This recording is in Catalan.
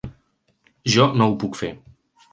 Jo no ho puc fer.